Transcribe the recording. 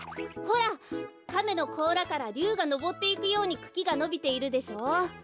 ほらかめのこうらからりゅうがのぼっていくようにくきがのびているでしょう。